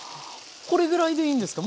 これぐらいでいいんですか？